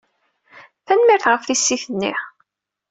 Tanemmirt ɣef tissit-nni.